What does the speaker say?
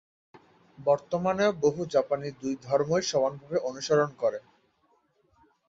বর্তমানেও বহু জাপানি দুই ধর্মই সমানভাবে অনুসরণ করে।